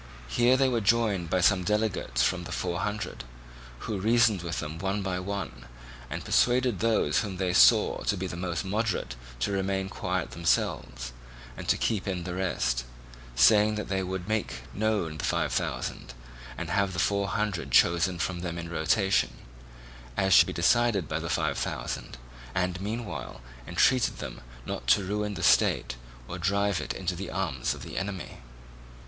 Here they were joined by some delegates from the Four Hundred, who reasoned with them one by one, and persuaded those whom they saw to be the most moderate to remain quiet themselves, and to keep in the rest; saying that they would make known the Five Thousand, and have the Four Hundred chosen from them in rotation, as should be decided by the Five Thousand, and meanwhile entreated them not to ruin the state or drive it into the arms of the enemy.